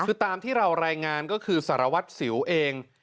คือตามที่เรารายงานก็คือสารวัตรสิวเอง